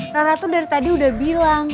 rana tuh dari tadi udah bilang